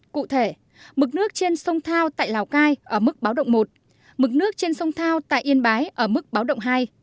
cụ thể mực nước trên sông thao tại lào cai ở mức báo động một mực nước trên sông thao tại yên bái ở mức báo động hai